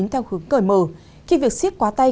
theo hướng cởi mở khi việc siết quá tay